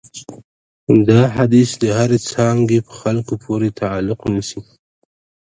دا حدیث د هرې څانګې په خلکو پورې تعلق نیسي.